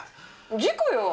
事故よ。